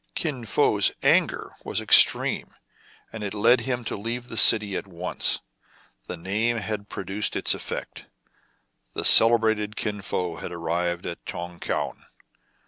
Kin Fo*s anger was extreme, and it led him to leave the city at once. The name had produced its effect. The celebrated Kin Fo had arrived at Tong Kouan.